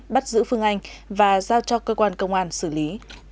bắt giữ phương anh và giao cho cơ quan công an xử lý